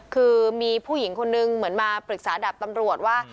คือมีผู้หญิงคนนึงเหมือนมาปรึกษาดับตำรวจว่า